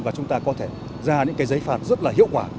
và chúng ta có thể ra những cái giấy phạt rất là hiệu quả